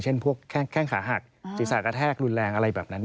เช่นพวกแข้งขาหักจิตสากแทกรุนแรงอะไรแบบนั้น